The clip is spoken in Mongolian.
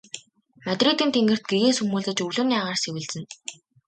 Мадридын тэнгэрт гэгээ сүүмэлзэж өглөөний агаар сэвэлзэнэ.